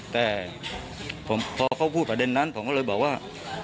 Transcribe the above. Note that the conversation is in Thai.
แต่พอเขาพูดประเด็นนั้นผมก็เลยบอกว่า